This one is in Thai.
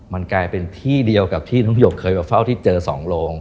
มันกลายเป็นที่เดียวกับที่น้องหยกเคยมาเฝ้าที่เจอ๒โรง